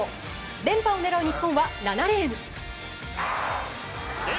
連覇を狙う日本は７レーン。